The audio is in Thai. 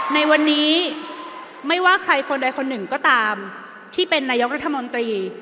ในวันนี้ไม่ว่าใครคนใดคนหนึ่งก็ตามที่เป็นนายกรัฐมนตรี